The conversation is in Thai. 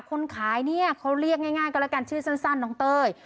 คนขายเขาเรียกง่ายก็เป็นชื่อนมันส้านน้องเตย